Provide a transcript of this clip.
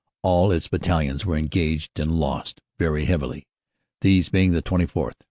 All its battalions were engaged and lost very heavily, these being the 24th.